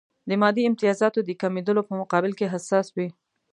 د مادي امتیازاتو د کمېدلو په مقابل کې حساس وي.